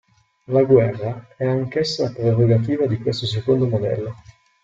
La guerra è anch'essa prerogativa di questo secondo modello.